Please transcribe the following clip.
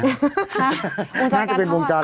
น่าจะเป็นวงจร